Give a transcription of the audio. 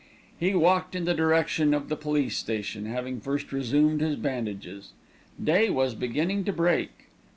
He walked in the direction of the police station, having first resumed his bandages. Day was beginning to break.